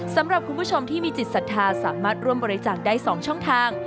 สำหรับคุณผู้ชมที่มีจิตศรัทธาสามารถร่วมบริจาคได้๒ช่องทาง